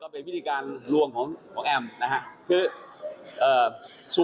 เป็นวิธีการลวงของแอมนะฮะ